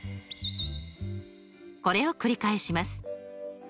これを繰り返します。